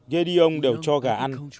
gediung đều cho gà ăn